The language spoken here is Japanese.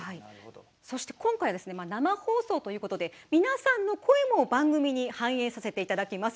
そして今回は生放送ということで皆さんの声も番組に反映させていただきます。